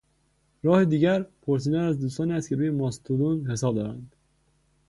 راه دیگر، پرسیدن از دوستانی است که روی ماستودون حساب دارند